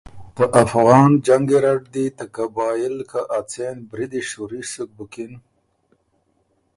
ته افغان جنګ ګیرډ ته قبائل که ا څېن بریدی شُوري سُک بُکِن،